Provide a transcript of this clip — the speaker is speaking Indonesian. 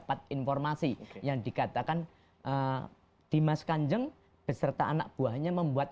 dapat informasi yang dikatakan dimas kanjeng beserta anak buahnya membuat